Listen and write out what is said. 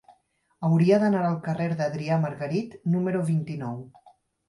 Hauria d'anar al carrer d'Adrià Margarit número vint-i-nou.